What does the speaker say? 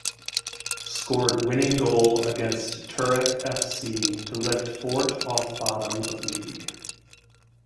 Scored winning goal against Turriff fc to lift Fort off bottom of league.